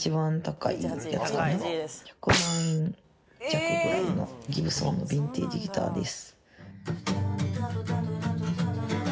１００万円弱ぐらいのギブソンのビンテージギターです。